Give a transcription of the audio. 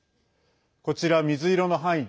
こちら、水色の範囲